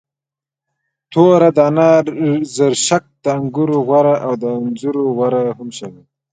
توره دانه، زرشک، د انګورو غوره او د انځرو غوره هم شامل دي.